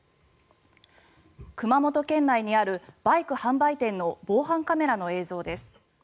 熊本県内にあるバイク販売店の防犯カメラの映像です。